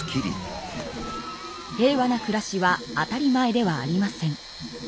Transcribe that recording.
平和な暮らしは当たり前ではありません。